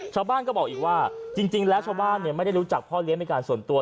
ชาวบ้านก็บอกอีกว่าจริงแล้วชาวบ้านไม่ได้รู้จักพ่อเลี้ยเป็นการส่วนตัว